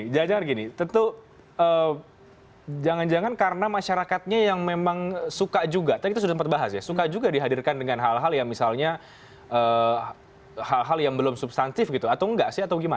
jangan jangan karena masyarakatnya yang suka juga dihadirkan dengan hal hal yang belum substantif atau enggak